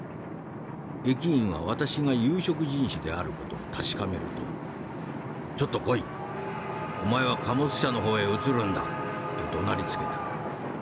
駅員は私が有色人種である事を確かめると『ちょっと来い。お前は貨物車の方へ移るんだ』とどなりつけた。